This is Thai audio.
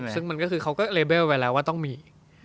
ซึ่งเขาก็เลเบลไว้แล้วว่าต้องมี